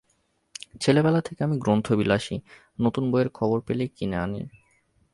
ছেলেবেলা থেকে আমি গ্রন্থবিলাসী, নতুন বইয়ের খবর পেলেই কিনে আনি।